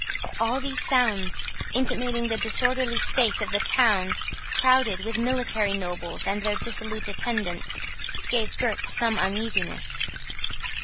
All these sounds, intimating the disorderly state of the town, crowded with military nobles and their dissolute attendants, gave Gurth some uneasiness.